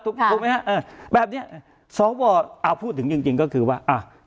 ถูกมั้ยครับแบบนี้สองบอร์พูดถึงจริงก็คือว่า